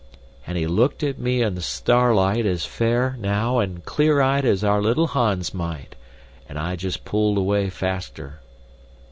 And he looked at me in the starlight as fair, now, and clear eyed as our little Hans might and I just pulled away faster."